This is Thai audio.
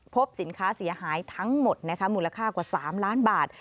พบสินค้าเสียหายทั้งหมดนะคะมูลค่ากว่า๓ล้านบาท